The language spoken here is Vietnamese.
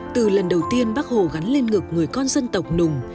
từ lần đầu tiên bác hồ gắn lên ngực người con dân tộc nùng